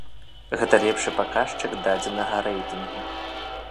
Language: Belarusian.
Гэта лепшы паказчык дадзенага рэйтынгу.